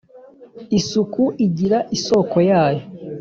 Isuku igira isoko yayo